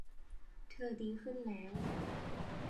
เธอดีขึ้นแล้ว